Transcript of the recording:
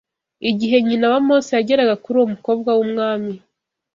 Igihe nyina wa Mose yageraga kuri uwo mukobwa w’umwami